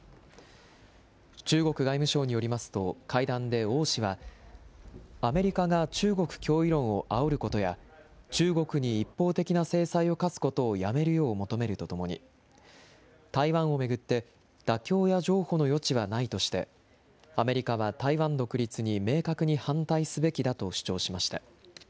中国外務省によりますと、会談で王氏は、アメリカが中国脅威論をあおることや、中国に一方的な制裁を科すことをやめるよう求めるとともに、台湾を巡って、妥協や譲歩の余地はないとして、アメリカは、台湾独立に明確に反対すべきだと主張しました。